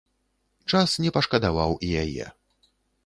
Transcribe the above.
Час не пашкадаваў і яе.